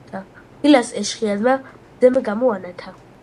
დილას ეშხიანმა მზემ გამოანათა